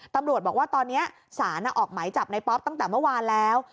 ตำรวจบอกว่าตอนนี้สารออกหมายจับในป๊อปตั้งแต่เมื่อวานแล้ว